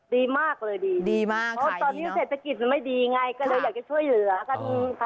ดีมากเลยดีเพราะตอนนึงเศรษฐกิจไม่ดีญะก็เลยอยากจะช่วยเหลือกัน